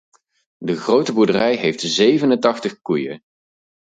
De grote boerderij heeft zevenentachtig koeien.